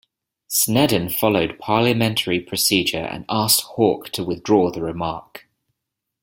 Snedden followed parliamentary procedure and asked Hawke to withdraw the remark.